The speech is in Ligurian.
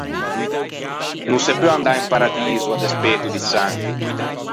No se peu andâ in paradiso à despeto di santi.